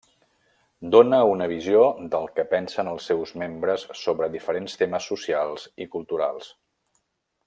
Dóna una visió del que pensen els seus membres sobre diferents temes socials i culturals.